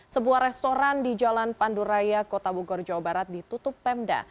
sebuah restoran di jalan panduraya kota bogor jawa barat ditutup pemda